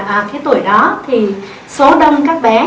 cái tuổi đó thì số đâm các bé